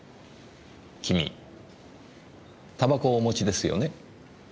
君煙草をお持ちですよね。